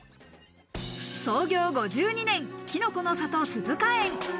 創業５２年「きのこの里鈴加園」。